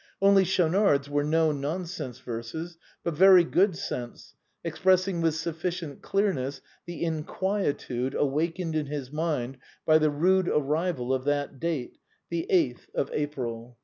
Only Schau nard's were no nonsense verses, but very good sense, ex HOW THE BOHEMIAN CLUB WAS FORMED. 5 pressing with sufficient clearness the inquietude awakened in his mind by the rude arrival of that date, the eighth of April.